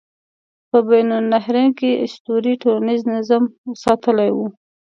په بین النهرین کې اسطورې ټولنیز نظم ساتلی و.